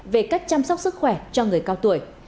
về cách chăm sóc sức khỏe cho người cao tuổi